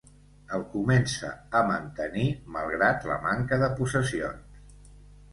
El comença a mantenir malgrat la manca de possessions.